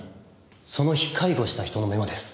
その日介護した人のメモです。